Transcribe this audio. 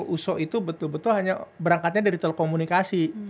uso itu betul betul hanya berangkatnya dari telekomunikasi